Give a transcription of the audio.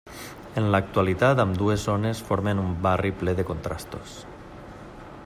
En l'actualitat ambdues zones formen un barri ple de contrastos.